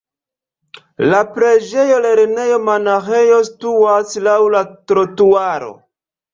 La preĝejo, lernejo, monaĥejo situas laŭ la trotuaro.